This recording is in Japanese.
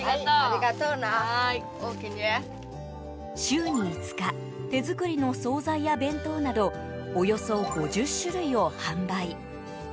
週に５日手作りの総菜や弁当などおよそ５０種類を販売。